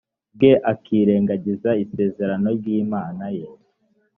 bwe akirengagiza isezerano ry imana ye